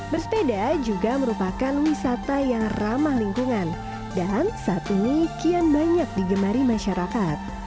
bersepeda juga merupakan wisata yang ramah lingkungan dan saat ini kian banyak digemari masyarakat